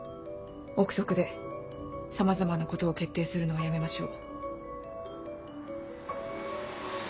臆測でさまざまなことを決定するのはやめましょう。